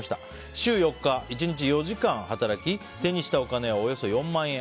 週４日、１日４時間働き手にしたお金はおよそ４万円。